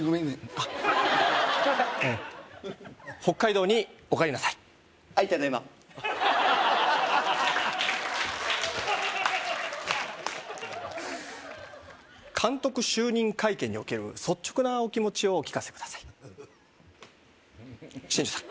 あいただいま監督就任会見における率直なお気持ちをお聞かせください新庄さん